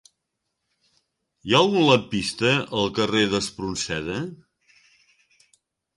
Hi ha algun lampista al carrer d'Espronceda?